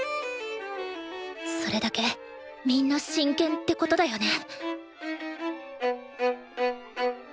それだけみんな真剣ってことだよね